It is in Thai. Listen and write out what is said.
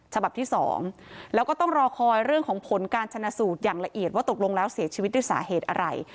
ฉบับที่๒แล้วก็ต้องรอคอยเรื่องของผลการชนะสูตรอย่างละเอียดว่าตกลงแล้วเสียชีวิตด้วยสาเหตุอะไร